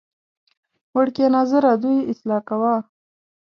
وړکیه ناظره ددوی اصلاح کوه.